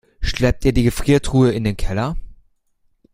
Schleppt ihr die Gefriertruhe in den Keller?